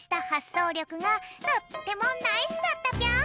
そうりょくがとってもナイスだったぴょん！